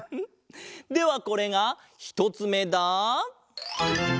ではこれがひとつめだ。